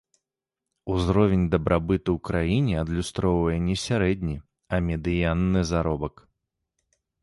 Узровень дабрабыту ў краіне адлюстроўвае не сярэдні, а медыянны заробак.